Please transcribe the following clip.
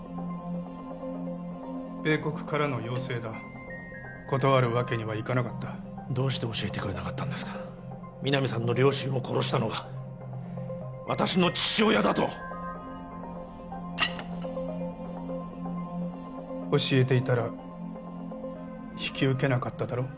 米国からの要請だ断るわけにはいかなかったどうして教えてくれなかったんですか皆実さんの両親を殺したのが私の父親だと教えていたら引き受けなかっただろ？